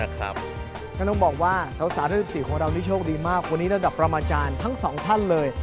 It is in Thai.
ก็ต้องบอกว่าสาวทั้ง๑๔ของเรานี่โชคดีมากวันนี้ระดับประมาณจารย์ทั้งสองท่านเลย